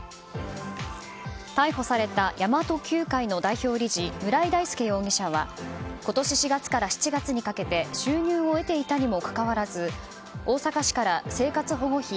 逮捕された神真都Ｑ会の代表理事、村井大介容疑者は今年４月から７月にかけて収入を得ていたにもかかわらず大阪市から生活保護費